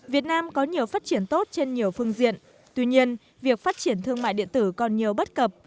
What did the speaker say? việt nam có nhiều phát triển tốt trên nhiều phương diện tuy nhiên việc phát triển thương mại điện tử còn nhiều bất cập